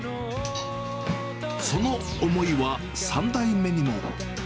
その思いは、３代目にも。